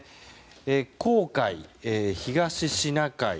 黄海、東シナ海